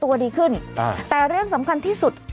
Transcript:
แล้วนั้นคุณก็จะได้รับเงินเข้าแอปเป๋าตังค์